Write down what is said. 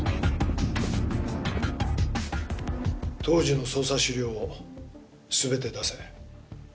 当時の捜査資料を全て出せ。